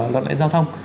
luật lệ giao thông